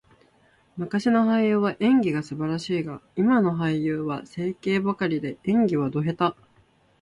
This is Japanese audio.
昔の俳優は演技が素晴らしいが、今の俳優は整形ばかりで、演技はド下手。